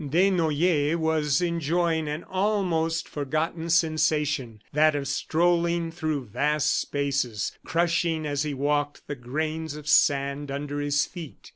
Desnoyers was enjoying an almost forgotten sensation, that of strolling through vast spaces, crushing as he walked the grains of sand under his feet.